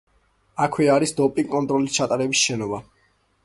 აქვე არის დოპინგ კონტროლის ჩატარების შენობა.